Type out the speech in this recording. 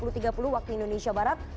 ketika itu kembali lagi ke jawa barat